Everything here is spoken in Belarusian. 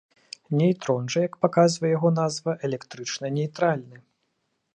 Нейтрон жа, як паказвае яго назва, электрычна нейтральны.